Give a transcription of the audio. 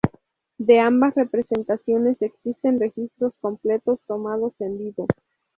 De ambas representaciones existen registros completos tomados en vivo.